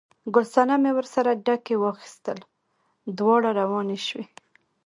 ګل صنمې ورسره ډکي واخیستل، دواړه روانې شوې.